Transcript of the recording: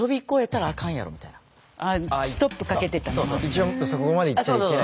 一応そこまでいっちゃいけない。